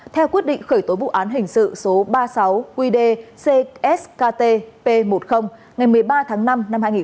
theo quyết định khởi tố vụ án hình sự số ba mươi sáu qd ckt p một mươi ngày một mươi ba tháng năm năm hai nghìn một mươi ba